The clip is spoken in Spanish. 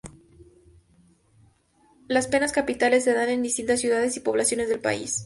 Las penas capitales se dan en distintas ciudades y poblaciones del país.